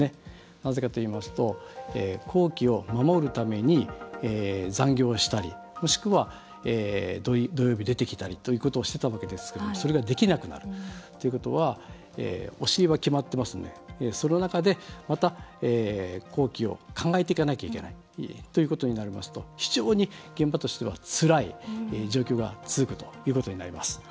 なぜかといいますと工期を守るために、残業をしたりもしくは土曜日出てきたりということをしていたわけですがそれができなくなるということはお尻は決まっていますのでその中でまた工期を考えていかなければいけないということになりますと非常に現場としてはつらい状況が続くということになります。